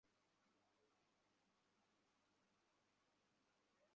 সেখান থেকেই হিগুয়েইনের গোল, জাত স্ট্রাইকারদের মতো, সামান্য জায়গা থেকেই জোরালো শট।